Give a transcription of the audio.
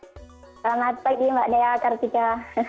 selamat pagi mbak dea kartika